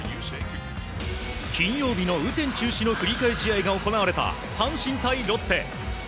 金曜日の雨天中止の振り替え試合が行われた阪神対ロッテ。